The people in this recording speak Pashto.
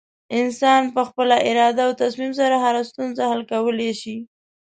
انسان په خپله اراده او تصمیم سره هره ستونزه حل کولی شي.